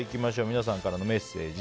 皆さんからのメッセージ。